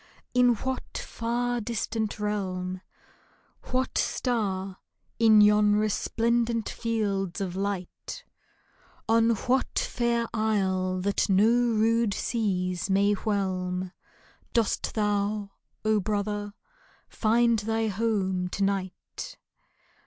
In what far distant realm, What star in yon resplendent fields of light. 228 THE DIFFERENCE On what fair isle that no rude seas may whelm, Dost thou, O brother, find thy home to night